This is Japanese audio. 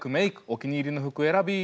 お気に入りの服えらび」